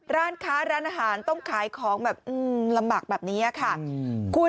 ร้านค้าร้านอาหารต้องขายของแบบลำบากแบบนี้ค่ะ